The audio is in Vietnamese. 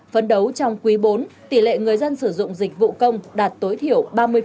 phấn đấu trong quý bốn tỷ lệ người dân sử dụng dịch vụ công đạt tối thiểu ba mươi